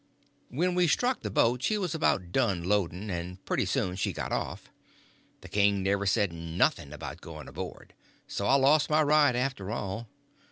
When we struck the boat she was about done loading, and pretty soon she got off. The king never said nothing about going aboard, so I lost my ride, after all.